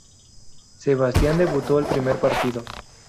Sebastián debutó el primer partido.